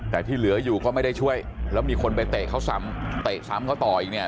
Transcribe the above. แต่ที่เหลืออยู่ก็ไม่ได้ช่วยแล้วมีคนไปเตะเขาซ้ำเตะซ้ำเขาต่ออีกเนี่ย